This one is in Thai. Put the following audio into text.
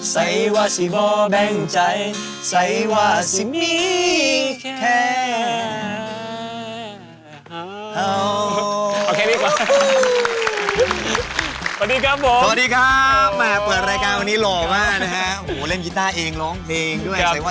สวัสดีครับผมซักเสียนทางทองครับ